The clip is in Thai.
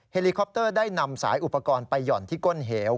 เฮลิคอปเตอร์ได้นำสายอุปกรณ์ไปหย่อนที่ก้นเหว